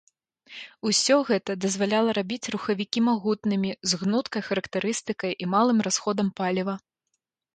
Усё гэта дазваляла рабіць рухавікі магутнымі, з гнуткай характарыстыкай і малым расходам паліва.